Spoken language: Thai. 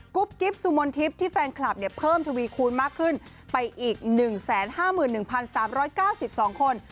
กรุ๊ปกิฟต์สุมนติฟที่แฟนคลับเนี่ยเพิ่มทวีคูณมากขึ้นไปอีก๑๕๑๓๙๒คน